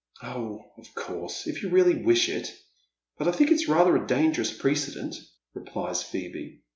" Oh, of course, if you really wish it. But I think it's rather a dangerous precedent," replies Phoebe.